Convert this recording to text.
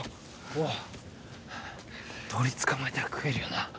おう鳥捕まえたら食えるよな